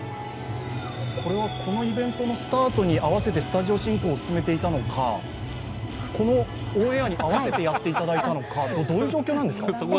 これはこのイベントのスタートに合わせてスタジオ進行を進めていたのかこのオンエアに合わせてやっていただいたのか、どういう状況ですか？